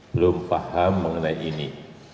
belum paham mengenai ini